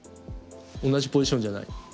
同じポジションじゃない？